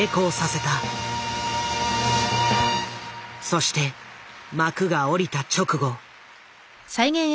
そして幕が下りた直後。